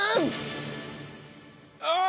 ああ！